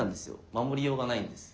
守りようがないんです。